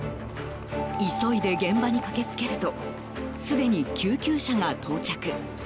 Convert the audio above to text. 急いで現場に駆けつけるとすでに救急車が到着。